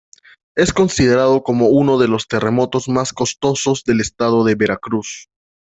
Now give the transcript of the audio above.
Es considerado como uno de los Terremotos más costosos del Estado de Veracruz.